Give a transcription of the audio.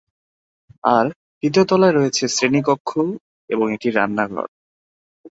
আর, তৃতীয় তলায় রয়েছে শ্রেণিকক্ষ এবং একটি রান্নাঘর।